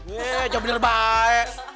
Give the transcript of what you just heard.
yee jawab bener baik